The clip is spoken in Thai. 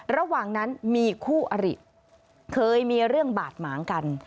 ระหว่างนั้นมีคู่อริเคยมีเรื่องบาดหมางกัน